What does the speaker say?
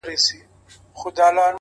او ویې ویل چې مینه له حسنه پیدا کیږي